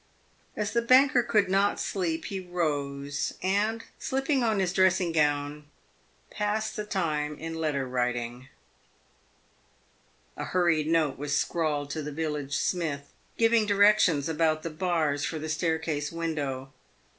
As the banker could not sleep, he rose, and, slipping on his dressing gown, passed the time in letter writing. A hurried note was scrawled to the village smith, giving directions about the bars for the staircase window.